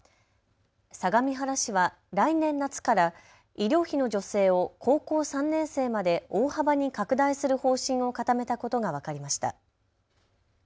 相模原市は来年夏から医療費の助成を高校３年生まで大幅に拡大する方針を固めたことが分かりました。